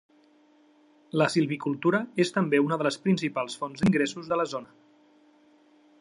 La silvicultura és també una de les principals fonts d'ingressos de la zona.